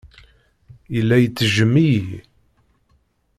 Yella ittejjem-iyi.